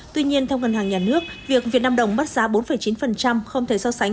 tuy nhiên theo ngân hàng nhà nước việc việt nam đồng mất giá bốn chín không thể so sánh